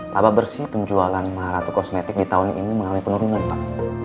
laba bersih penjualan maharatu kosmetik di tahun ini mengalami penurunan pak